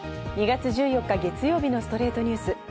２月１４日、月曜日の『ストレイトニュース』。